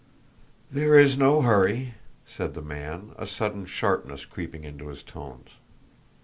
"There is no hurry," said the man, a sudden sharpness creeping into his tones.